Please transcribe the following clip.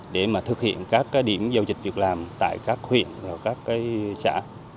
để mà thực hiện các điểm giao dịch việc làm tại các huyện và các xã